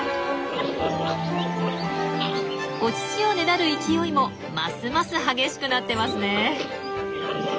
お乳をねだる勢いもますます激しくなってますね。